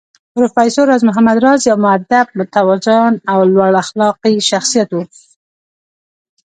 پروفېسر راز محمد راز يو مودب، متوازن او لوړ اخلاقي شخصيت و